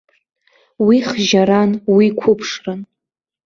Уи хжьаран, уи қәыԥшран.